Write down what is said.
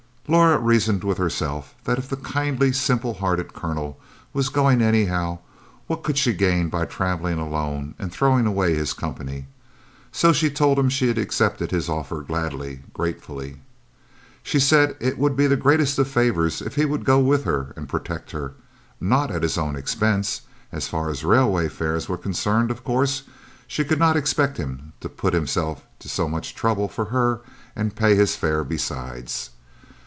Laura reasoned with herself that if the kindly, simple hearted Colonel was going anyhow, what could she gain by traveling alone and throwing away his company? So she told him she accepted his offer gladly, gratefully. She said it would be the greatest of favors if he would go with her and protect her not at his own expense as far as railway fares were concerned, of course; she could not expect him to put himself to so much trouble for her and pay his fare besides.